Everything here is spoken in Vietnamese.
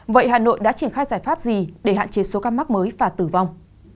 vậy hà nội đã triển khai giải pháp gì để hạn chế số ca mắc mới và tử vong